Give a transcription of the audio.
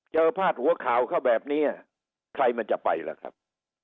พาดหัวข่าวเข้าแบบนี้ใครมันจะไปล่ะครับ